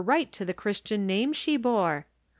329 right to the Christian name she bore ?